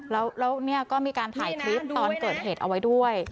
แล้วก็มีการถ่ายคลิปตอนเกิดเหตุเอาไว้ด้วย